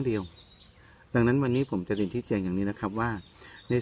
เดียวดังนั้นวันนี้ผมจะเรียนที่แจ้งอย่างนี้นะครับว่าใน